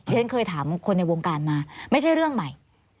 ฉันเคยถามคนในวงการมาไม่ใช่เรื่องใหม่